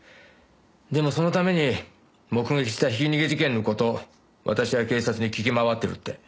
でもそのために目撃したひき逃げ事件の事私や警察に聞き回ってるって。